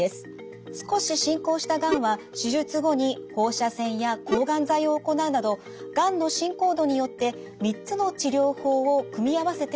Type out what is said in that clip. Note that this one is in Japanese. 少し進行したがんは手術後に放射線や抗がん剤を行うなどがんの進行度によって３つの治療法を組み合わせていきます。